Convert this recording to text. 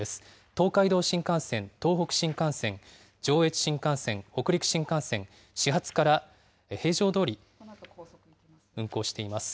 東海道新幹線、東北新幹線、上越新幹線、北陸新幹線、始発から平常どおり運行しています。